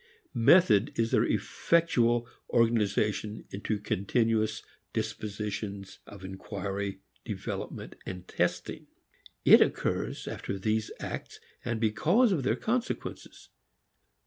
Method is their effectual organization into continuous dispositions of inquiry, development and testing. It occurs after these acts and because of their consequences.